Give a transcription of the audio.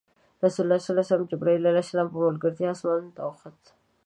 رسول الله د جبرایل ع په ملګرتیا اسمانونو ته وخوت.